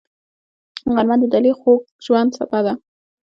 غرمه د دلي خوږ ژوند څپه ده